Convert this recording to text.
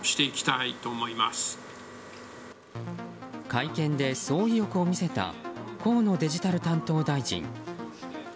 会見で、そう意欲を見せた河野デジタル担当大臣。